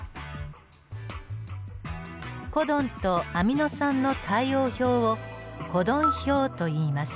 コドンとアミノ酸の対応表をコドン表といいます。